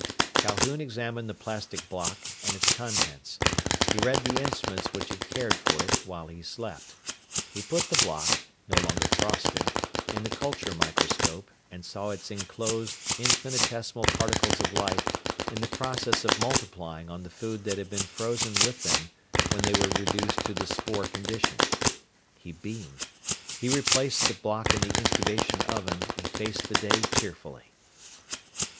Calhoun examined the plastic block and its contents. He read the instruments which had cared for it while he slept. He put the block no longer frosted in the culture microscope and saw its enclosed, infinitesimal particles of life in the process of multiplying on the food that had been frozen with them when they were reduced to the spore condition. He beamed. He replaced the block in the incubation oven and faced the day cheerfully.